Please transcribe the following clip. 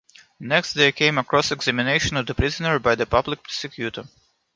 Next there came a cross-examination of the prisoner by the public prosecutor.